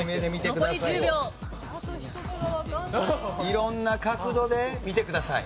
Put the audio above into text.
色んな角度で見てください。